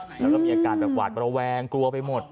แล้วก็มีอาการแบบหวาดระแวงกลัวไปหมด